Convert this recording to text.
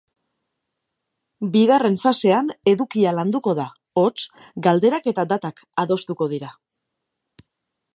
Bigarren fasean edukia landuko da, hots, galderak eta datak adostuko dira.